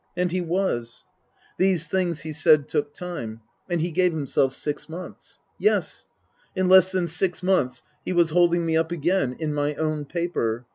(And he was.) These things, he Book I : My Book said, took time, and he gave himself six months. (Yes ; in less than six months he was holding me up, again, in my own paper.